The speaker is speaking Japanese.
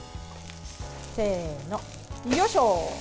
せーの、よいしょ！